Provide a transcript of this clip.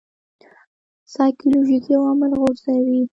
سایکولوژیکي عوامل غورځوي.